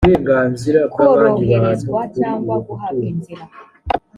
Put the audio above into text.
koroherezwa cyangwa guhabwa inzira